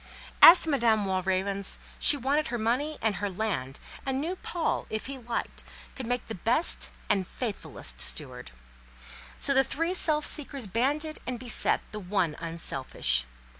As to Madame Walravens, she wanted her money and her land, and knew Paul, if he liked, could make the best and faithfullest steward: so the three self seekers banded and beset the one unselfish.